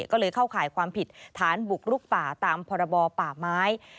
ก็เลยเข้าข่ายความผิดฐานบุกลุกป่าตามพรบป่าไม้